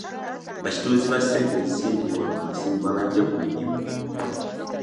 Ba kitunzi ba ssente ezisindikibwa ku masimu baabaggye ku mirimu.